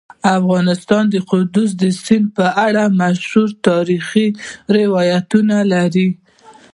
افغانستان د کندز سیند په اړه مشهور تاریخی روایتونه لري.